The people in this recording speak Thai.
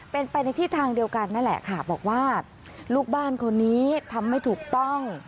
เป็นไปในที่ทางเดียวกันนั่นแหละค่ะบอกว่าลูกบ้านคนนี้ทำไม่ถูกต้อง